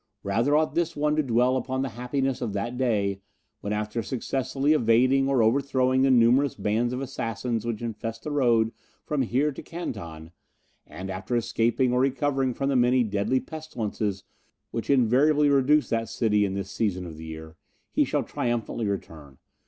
Rather ought this one to dwell upon the happiness of that day, when, after successfully evading or overthrowing the numerous bands of assassins which infest the road from here to Canton, and after escaping or recovering from the many deadly pestilences which invariably reduce that city at this season of the year, he shall triumphantly return.